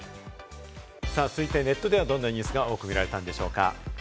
続いてネットではどんなニュースを多く見られたのでしょうか。